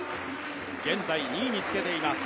現在２位につけています